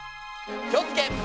気をつけ！